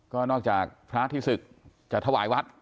ก็นอกจากพระที่ศึกจะถวายวัด